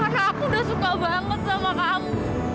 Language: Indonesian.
karena aku udah suka banget sama kamu